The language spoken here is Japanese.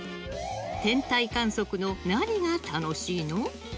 天体観測の何が楽しいの？